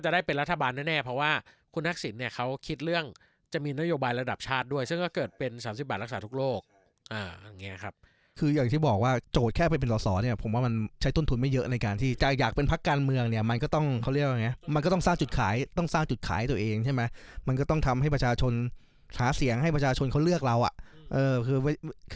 หากเป็นพักการเมืองเนี่ยมันก็ต้องซ่านจุดขายให้ตัวเองใช่มั้ยมันก็ต้องทำให้ประชาชนหาเสียงให้ประชาชนเขาเลือกเราอ่ะ